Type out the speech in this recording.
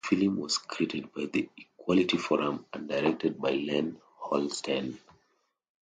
The film was created by the Equality Forum and directed by Glenn Holsten.